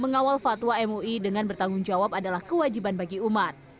mengawal fatwa mui dengan bertanggung jawab adalah kewajiban bagi umat